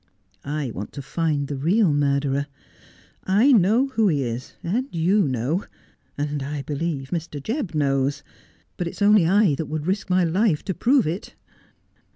I want to find the real murderer, know who he is, and you know, and I believe Mr. Jebb knows, but it's only I that would risk my life to prove it.'